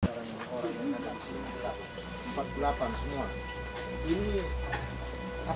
hai orang orang yang ada di sini empat puluh delapan semua ini apa masalahnya